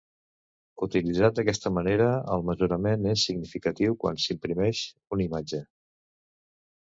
Utilitzat d'aquesta manera, el mesurament és significatiu quan s'imprimeix una imatge.